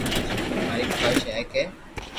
ماري خواݾ ھي